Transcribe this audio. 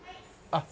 あっ。